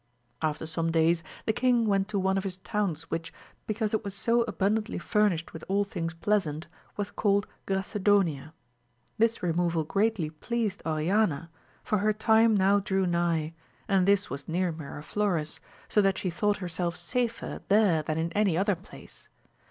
After some days the king went to one of his towns which, because it was so abundantly furnished with aU things pleasant, was called Gracedonia. This re moval greatly pleased Oriana, for her time now drew nigh, and this was near Miraflores, so that she thought herself safer there than in any other place.